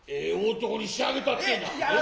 男に仕上げたってえなええ。